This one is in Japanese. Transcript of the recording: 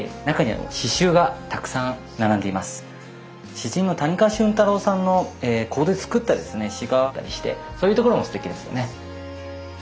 詩人の谷川俊太郎さんのここで作った詩があったりしてそういうところもすてきですよね。